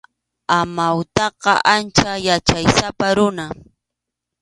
Amawtaqa ancha yachaysapa runam.